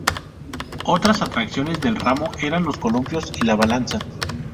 Otras atracciones del ramo eran los columpios y la balanza.